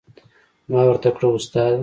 ما ورته کړه استاده.